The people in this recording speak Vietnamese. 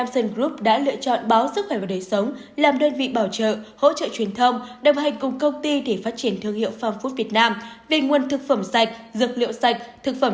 xin chào quý vị và các bạn